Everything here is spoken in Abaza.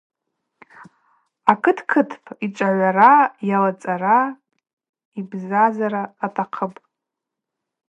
Акыт кытпӏ – йчвагъвара, йлацӏара, йбзазара атахъыпӏ.